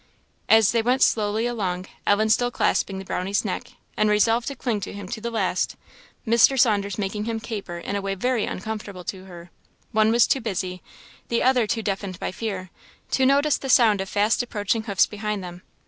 As they went slowly along, Ellen still clasping the Brownie's neck, and resolved to cling to him to the last, Mr. Saunders making him caper in a way very uncomfortable to her, one was too busy, and the other too deafened by fear, to notice the sound of fast approaching hoofs behind them.